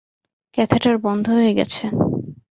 Catheter বন্ধ হয়ে গেছে।